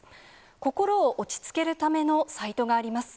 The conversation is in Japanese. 心を落ち着けるためのサイトがあります。